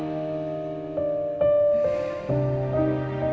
dan jangan lupa untuk berlangganan